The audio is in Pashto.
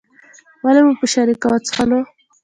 ولې مو په شریکه وڅښلو.